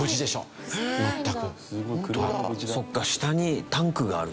そうか下にタンクがあるし。